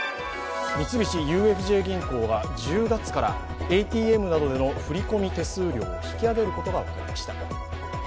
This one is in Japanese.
三菱ＵＦＪ銀行は１０月からＡＴＭなどでの振り込み手数料を引き上げることが分かりました。